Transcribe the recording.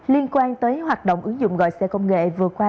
liên quan tới hoạt động ứng dụng gọi xe công nghệ vừa qua